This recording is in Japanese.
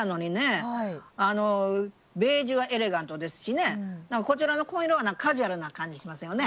あのベージュはエレガントですしねこちらの紺色はカジュアルな感じしますよね。